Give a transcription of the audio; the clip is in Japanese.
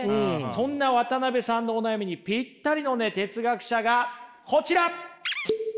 そんな渡辺さんのお悩みにぴったりのね哲学者がこちら！